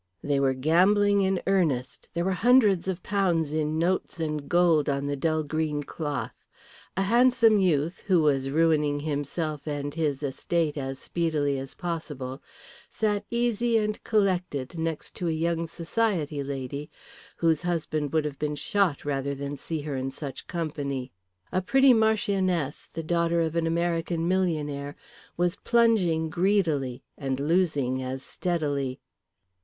They were gambling in earnest, there were hundreds of pounds in notes and gold on the dull green cloth. A handsome youth, who was ruining himself and his estate as speedily as possible, sat easy and collected next to a young society lady, whose husband would have been shot rather than see her in such company. A pretty marchioness, the daughter of an American millionaire, was plunging greedily and losing as steadily.